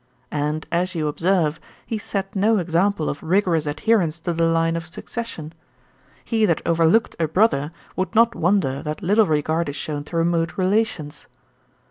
And, as you observe, he set no example of rigorous adherence to the line of succession. He that overlooked a brother, would not wonder that little regard is shown to remote relations.